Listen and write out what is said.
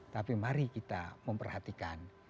tapi mari kita memperhatikan